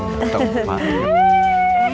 ganteng ya pak